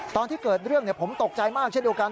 ตอนที่เกิดเรื่องผมตกใจมากเช่นเดียวกัน